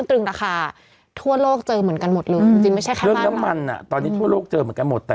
คนทั่วไปจะเหลืออะไรกินไปหรือเปล่า